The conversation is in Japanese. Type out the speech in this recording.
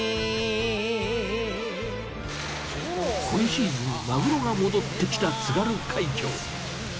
今シーズンマグロが戻ってきた津軽海峡。